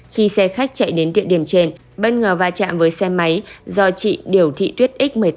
khi xe khách chạy đến địa điểm trên bất ngờ va chạm với xe máy do chị điều thị tuyết x